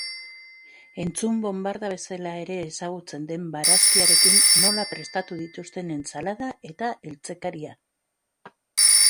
Entzun bonbarda bezala ere ezagutzen den barazkiarekin nola prestatu dituzten entsalada eta eltzekaria.